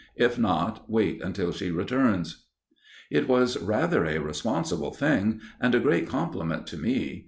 If not, wait until she returns." It was rather a responsible thing, and a great compliment to me.